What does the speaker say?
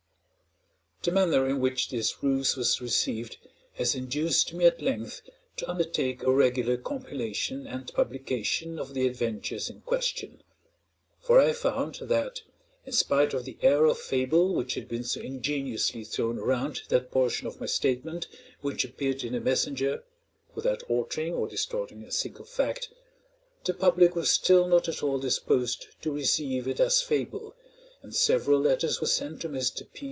The manner in which this ruse was received has induced me at length to undertake a regular compilation and publication of the adventures in question; for I found that, in spite of the air of fable which had been so ingeniously thrown around that portion of my statement which appeared in the "Messenger" (without altering or distorting a single fact), the public were still not at all disposed to receive it as fable, and several letters were sent to Mr. P.